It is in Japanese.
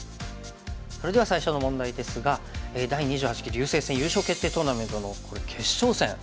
それでは最初の問題ですが第２８期竜星戦優勝決定トーナメントのこれ決勝戦。